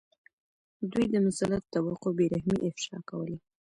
دوی د مسلطو طبقو بې رحمۍ افشا کولې.